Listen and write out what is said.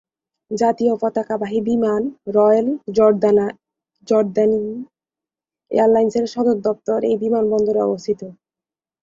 জাতীয় পতাকাবাহী বিমান, রয়াল জর্দানীয় এয়ারলাইন্সের সদরদপ্তর এই বিমানবন্দরে অবস্থিত।